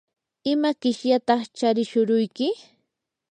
¿ima qishyataq charishuruyki?